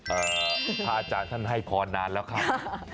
พระอาจารย์ท่านให้พรนานแล้วครับ